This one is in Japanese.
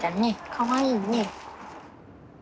かわいいね。